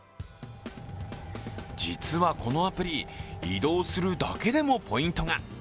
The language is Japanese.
実はこのアプリ、移動するだけでもポイントが。